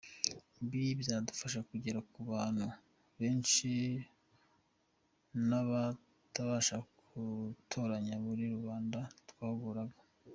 Ibi bizadufasha kugera ku bantu benshi n’abatabashaga gutoranywa muri babandi twahuguraga.